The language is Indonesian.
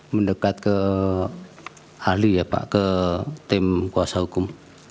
mendekat ke ahli ya pak ke tim kuasa hukum